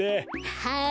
はい。